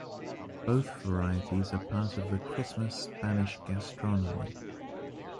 Both varieties are part of the Christmas Spanish gastronomy.